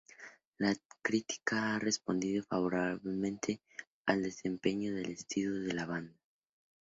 La crítica ha respondido favorablemente al desempeño del estilo de la banda.